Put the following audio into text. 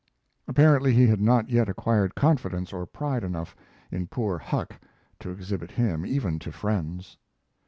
Apparently he had not yet acquired confidence or pride enough in poor Huck to exhibit him, even to friends.